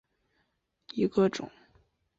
富宁油果樟为樟科油果樟属下的一个种。